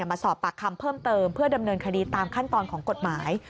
มาสอบปากคำเพิ่มเติมเพื่อดำเนินคดีตามขั้นตอนของกฎหมาย